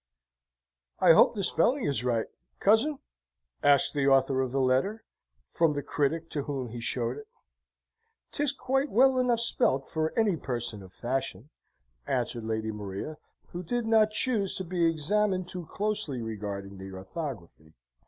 "I hope the spelling is right, cousin?" asked the author of the letter, from the critic to whom he showed it. "'Tis quite well enough spelt for any person of fashion," answered Lady Maria, who did not choose to be examined too closely regarding the orthography.